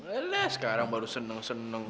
lelah sekarang baru seneng seneng